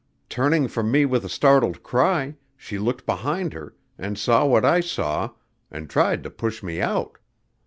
Turning from me with a startled cry, she looked behind her, and saw what I saw, and tried to push me out.